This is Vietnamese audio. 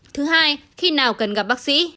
thứ hai khi nào cần gặp bác sĩ